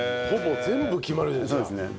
ほぼ全部決まるじゃないですか。